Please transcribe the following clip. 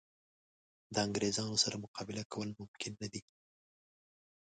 د انګرېزانو سره مقابله کول ممکن نه دي.